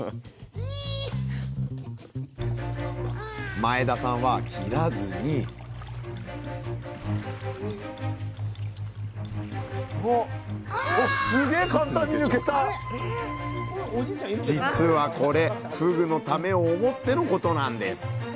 前田さんは切らずにすげ実はこれふぐのためを思ってのことなんです